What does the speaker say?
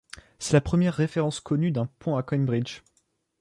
C'est la première référence connue d'un pont à Cambridge.